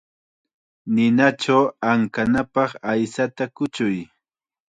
Ninachaw ankanapaq aychata kuchuy.